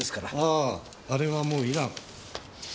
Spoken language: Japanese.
ああれはもういらん。